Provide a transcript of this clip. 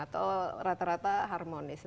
atau rata rata harmonis